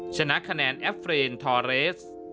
ชนะคะแนนแอฟเฟรนทอเรส